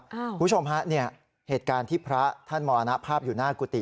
คุณผู้ชมฮะเนี่ยเหตุการณ์ที่พระท่านมรณภาพอยู่หน้ากุฏิ